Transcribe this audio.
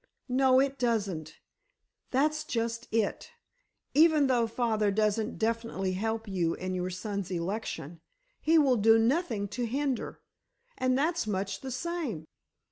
"No, it doesn't. That's just it. Even though father doesn't definitely help you in your son's election, he will do nothing to hinder. And that's much the same."